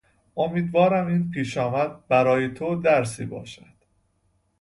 امیدوارم این پیشامد برای تو درسی باشد.